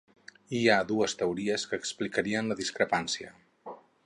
Hi ha dues teories que explicarien la discrepància.